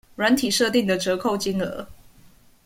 軟體設定的折扣金額